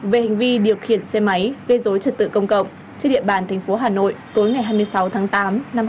về hình vi điều khiển xe máy gây dối trật tự công cộng trên địa bàn thành phố hà nội tối ngày hai mươi sáu tháng tám năm hai nghìn hai mươi hai